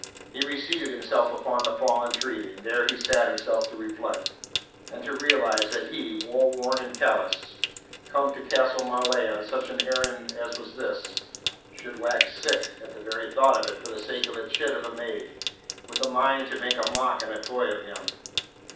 He reseated himself upon the fallen tree, and there he set himself to reflect, and to realize that he, war worn and callous, come to Castle Marleigh on such an errand as was his, should wax sick at the very thought of it for the sake of a chit of a maid, with a mind to make a mock and a toy of him.